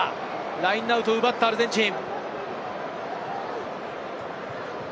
ラインアウト、奪ったアルゼンチン。